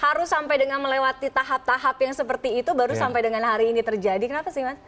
harus sampai dengan melewati tahap tahap yang seperti itu baru sampai dengan hari ini terjadi kenapa sih mas